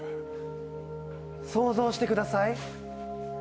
想像してください。